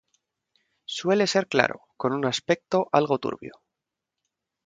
Suele ser claro, con un aspecto algo turbio.